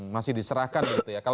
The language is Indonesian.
masih diserahkan gitu ya